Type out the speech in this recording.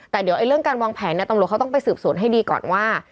แต่เดี๋ยวเรื่องการวางแผนตำรวจเขาต้องไปสืบสวนให้ดีก่อนว่า